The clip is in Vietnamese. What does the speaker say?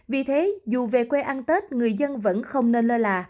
vì thế dù về quê ăn tết người dân vẫn không nên lơ là